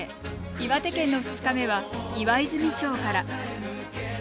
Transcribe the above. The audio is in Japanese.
岩手県の２日目は岩泉町から。